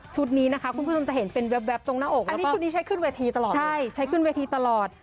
นี้นะคะคุณผู้ชมจะเห็นเป็นแวบตรงหน้าอกอันนี้ชุดนี้ใช้ขึ้นเวทีตลอดใช่ใช้ขึ้นเวทีตลอด